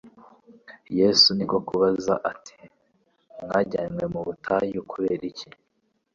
Yesu niko kubaza ati: "Mwajyanywe mu butayu kureba iki?